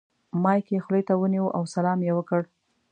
مایک یې خولې ته ونیو او سلام یې وکړ.